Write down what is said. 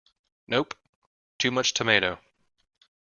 Nope! Too much tomato.